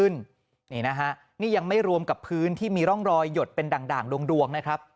นี่นะฮะนี่ยังไม่รวมกับพื้นที่มีร่องรอยหยดเป็นด่างดวงนะครับ